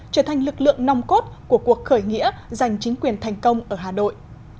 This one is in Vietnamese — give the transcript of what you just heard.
trở thành lực lượng nong cốt của cuộc khởi nghĩa dành chính quyền thành công ở hà nội